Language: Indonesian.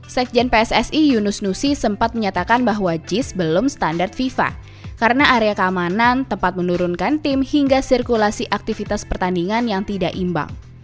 sekjen pssi yunus nusi sempat menyatakan bahwa jis belum standar fifa karena area keamanan tempat menurunkan tim hingga sirkulasi aktivitas pertandingan yang tidak imbang